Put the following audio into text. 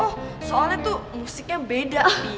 oh soalnya tuh musiknya beda nih